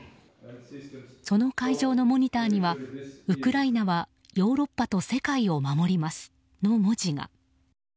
その会場のモニターにはウクライナはヨーロッパと世界を守りますの文字が。